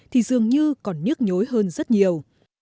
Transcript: thì dường như còn nhức nhối hơn rất nhiều